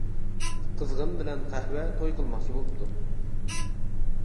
قىزغىن بىلەن قەھۋە توي قىلماقچى بوپتۇ.